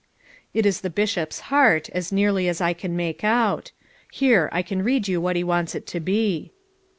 "It is the Bishop's heart, as nearly as I can make out. Here, I can read you what he wants it to be."